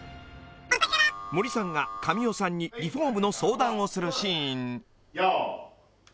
［森さんが神尾さんにリフォームの相談をするシーン］